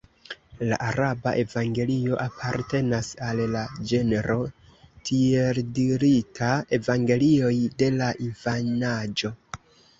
La araba Evangelio apartenas al la ĝenro tieldirita Evangelioj de la infanaĝo.